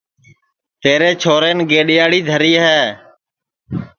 تیرے چھورین گیڈؔیاڑی دھری ہے